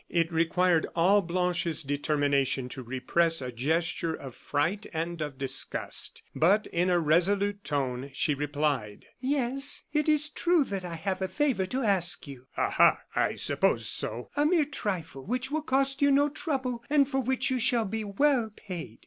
It required all Blanche's determination to repress a gesture of fright and of disgust; but, in a resolute tone, she replied: "Yes, it is true that I have a favor to ask you." "Ah, ha! I supposed so." "A mere trifle which will cost you no trouble and for which you shall be well paid."